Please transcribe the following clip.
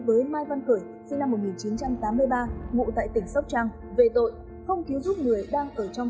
với mai văn khởi sinh năm một nghìn chín trăm tám mươi ba ngụ tại tỉnh sóc trăng về tội không cứu giúp người đang ở trong